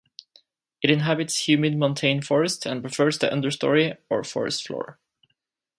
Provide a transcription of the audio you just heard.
It inhabits humid montane forest and prefers the understory or forest floor.